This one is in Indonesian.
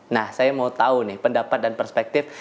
nah saya mau tahu nih pendapat dan perspektif